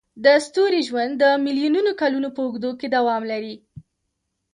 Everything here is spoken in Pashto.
د ستوري ژوند د میلیونونو کلونو په اوږدو کې دوام لري.